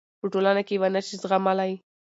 پـه ټـولـنـه کـې ونشـي زغـملـى .